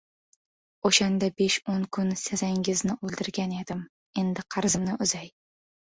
— O‘shanda besh-o‘n kun sazangizni o‘ldirgan edim. Endi qarzimni uzay.